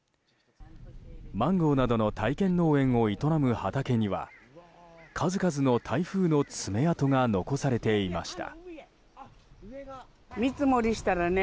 マンゴーなどの体験農園を営む畑には数々の台風の爪痕が残されていました。